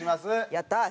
やったー！